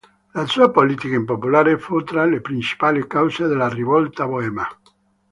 La sua politica impopolare fu tra le principali cause della Rivolta boema.